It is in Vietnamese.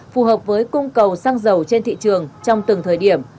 phù hợp với cung cầu xăng dầu trên thị trường trong từng thời điểm